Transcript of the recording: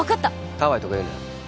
ハワイとか言うなよ